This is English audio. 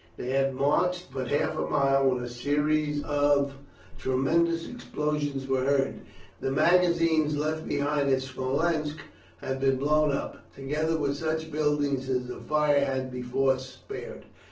They had marched but half a mile when a series of tremendous explosions were heard the magazines left behind at Smolensk had been blown up, together with such buildings as the fire had before spared.